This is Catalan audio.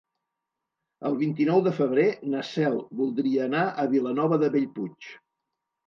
El vint-i-nou de febrer na Cel voldria anar a Vilanova de Bellpuig.